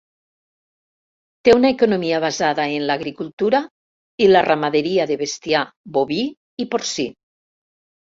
Té una economia basada en l'agricultura i la ramaderia de bestiar boví i porcí.